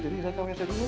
jadi saya kak ngesek dulu